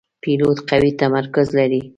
پیلوټ قوي تمرکز لري.